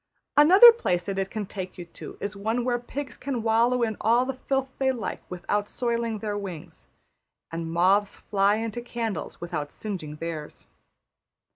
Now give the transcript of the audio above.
Another place that it can take you to is one where pigs can wallow in all the filth they like without soiling their wings; and moths fly into candles without singeing theirs.